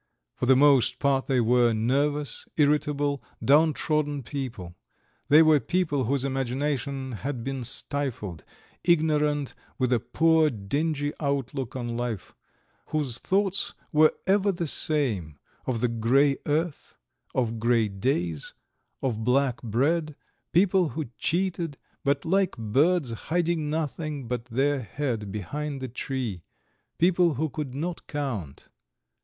For the most part they were nervous, irritable, downtrodden people; they were people whose imagination had been stifled, ignorant, with a poor, dingy outlook on life, whose thoughts were ever the same of the grey earth, of grey days, of black bread, people who cheated, but like birds hiding nothing but their head behind the tree people who could not count.